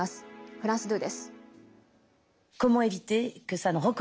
フランス２です。